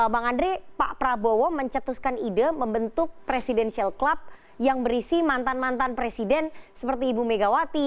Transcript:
bang andre pak prabowo mencetuskan ide membentuk presidential club yang berisi mantan mantan presiden seperti ibu megawati